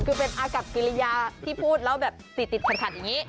คือเป็นอากับกิริยาที่พูดแล้วแบบติดขัดอย่างนี้